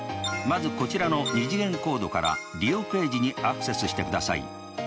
まずこちらの２次元コードから利用ページにアクセスしてください。